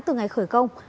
từ ngày khởi công